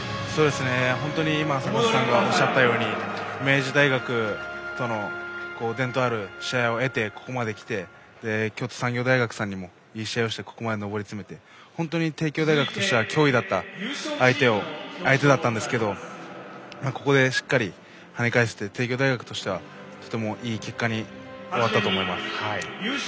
本当に今、坂田さんがおっしゃったように明治大学との伝統ある試合を経てここまで来て京都産業大学さんともいい試合をしてここまで登りつめて帝京大学としては脅威だった相手だったんですけどもここでしっかり跳ね返せて帝京大学としてはとても、いい結果に終わったと思います。